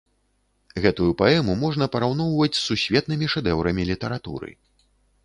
Гэтую паэму можна параўноўваць з сусветнымі шэдэўрамі літаратуры.